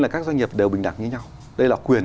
là các doanh nghiệp đều bình đẳng với nhau đây là quyền